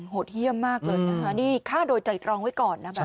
โหดเยี่ยมมากเลยนะคะนี่ฆ่าโดยไตรรองไว้ก่อนนะแบบนี้